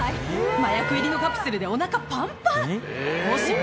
麻薬入りのカプセルでお腹パンパン！